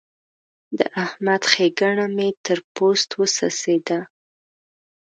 د احمد ښېګڼه مې تر پوست وڅڅېده.